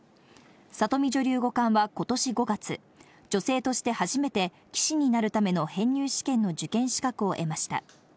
里見女流五冠は今年５月、女性として初めて、棋士になるための編入試験の受験資格を得ました。